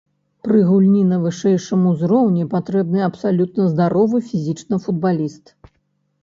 Пры гульні на вышэйшым узроўні патрэбны абсалютна здаровы фізічна футбаліст.